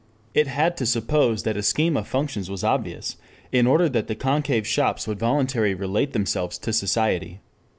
It had to suppose that a scheme of functions was obvious in order that the concave shops would voluntarily relate themselves to society.